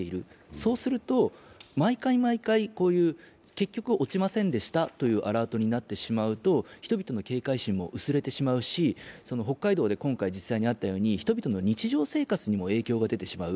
そうすると、毎回毎回こういう、結局落ちませんでしたというアラートになってしまうと人々の警戒心も薄れてしまうし、北海道で今回実際あったように人々の日常生活にも影響が出てしまう。